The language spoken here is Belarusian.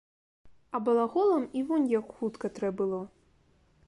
А балаголам і вунь як хутка трэ было.